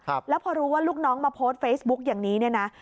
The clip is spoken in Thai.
แล้วพอรู้ว่าลูกน้องมาโพสต์เฟซบุ๊กอย่างนี้เนี่ยนะ